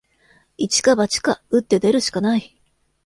一か八か、打って出るしかない